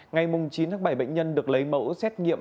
ngày chín tháng bảy bệnh nhân được lấy mẫu xét nghiệm